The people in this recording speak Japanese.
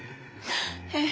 ええ。